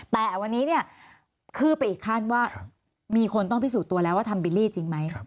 แต่วันนี้เนี่ยคืบไปอีกขั้นว่ามีคนต้องพิสูจน์ตัวแล้วว่าทำบิลลี่จริงไหม